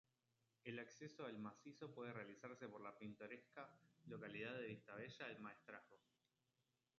El acceso al macizo puede realizarse por la pintoresca localidad de Vistabella del Maestrazgo.